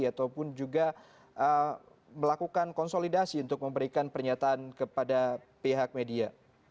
ataupun juga melakukan konsolidasi untuk memberikan pernyataan kepada pihak media